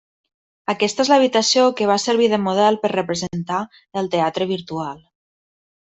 Aquesta és l'habitació que va servir de model per representar el teatre virtual.